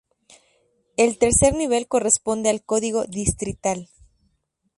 El tercer nivel corresponde al código distrital.